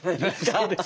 そうです。